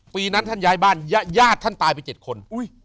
ปีนั้นท่านย้ายบ้านญาติท่านตายไป๗คน